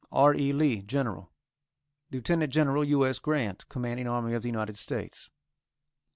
R. E. LEE, General. LT. GEN. U. S. GRANT, Commanding Army of the United States.